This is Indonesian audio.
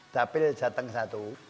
dapil jateng i